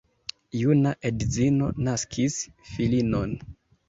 Juna edzino naskis filinon.